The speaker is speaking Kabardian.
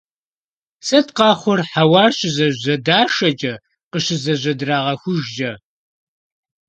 Сыт къэхъур хьэуар щызэжьэдашэкӀэ, къыщызэжьэдрагъэхужкӀэ?